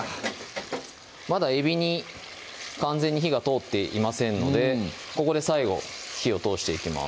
まだえびに完全に火が通っていませんのでここで最後火を通していきます